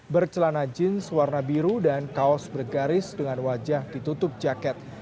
bercelana jeans warna biru dan kaos bergaris dengan wajah ditutup jaket